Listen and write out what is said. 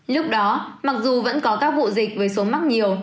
lúc đó mặc dù vẫn có các vụ dịch với số mắc nhiều